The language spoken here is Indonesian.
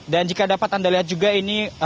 dan jika dapat anda lihat juga ini